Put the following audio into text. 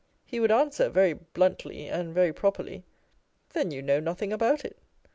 He would answer, very bluntly and very properly, "Then you know nothing about it."